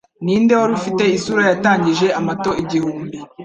Ninde wari ufite isura yatangije amato igihumbi